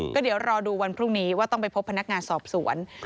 ก็เดี๋ยวรอดูวันพรุ่งนี้ว่าต้องไปพบพนักงานสอบสวน